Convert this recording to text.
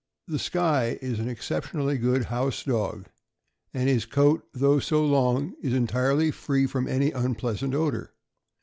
The Skye is an exceptionally good house dog, and his coat, though so long, is entirely free from any unpleasant odor.